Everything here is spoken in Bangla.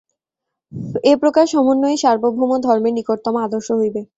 এই প্রকার সমন্বয়ই সার্বভৌম ধর্মের নিকটতম আদর্শ হইবে।